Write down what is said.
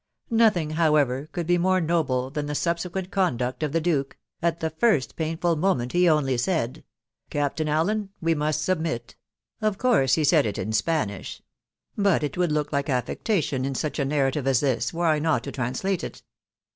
Nothing, however, could be more noble than the subsequent conduct of the duke, .... at the first pain ful moment he only said ....( Captain Allen, we must sub mit' .... of course he said it in Spanish, but it would look like affectation, in such a narrative as this, were I not to trans late it